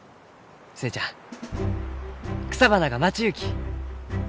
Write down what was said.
寿恵ちゃん草花が待ちゆうき！